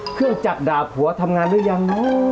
เครื่องจักรดาบหัวทำงานหรือยัง